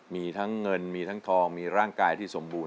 มีทั้งเงินมีทั้งทองมีร่างกายที่สมบูรณ